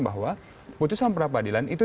bahwa putusan perapadilan itu